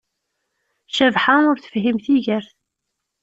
Cabḥa ur tefhim tigert.